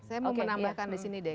saya mau menambahkan disini deh